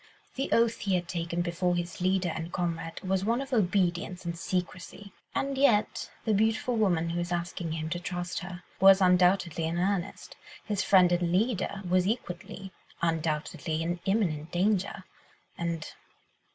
The oath he had taken before his leader and comrade was one of obedience and secrecy; and yet the beautiful woman, who was asking him to trust her, was undoubtedly in earnest; his friend and leader was equally undoubtedly in imminent danger and